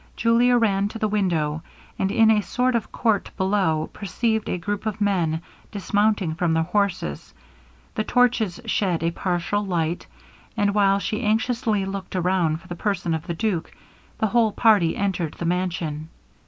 Julia ran to the window; and, in a sort of court below, perceived a group of men dismounting from their horses. The torches shed a partial light; and while she anxiously looked round for the person of the duke, the whole party entered the mansion.